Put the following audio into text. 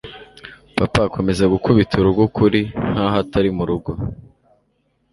papa komeza gukubita urugo ukuri? nkaho atari murugo